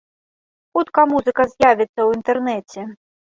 Хутка музыка з'явіцца ў інтэрнэце.